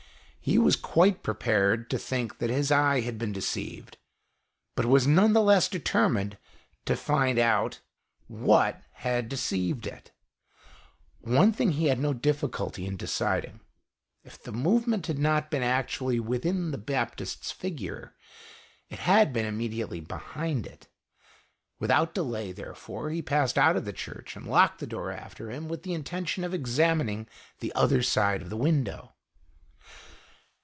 He was quite prepared to think that his eye had been deceived, but was none the less determined to find out what had THE EASTERN WINDOW. deceived it. One thing he had no difficulty in deciding. If the movement had not been actually within the Baptist's figure, it had been immediately behind it. Without delay, there fore, he passed out of the church and locked the door after him, with the intention of examining the other side of the window.